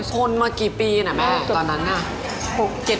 ทนมากี่ปีนะแม่ตอนนั้นน่ะ